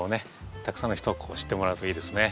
たくさんの人に知ってもらうといいですね。